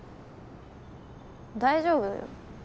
大丈夫だよ。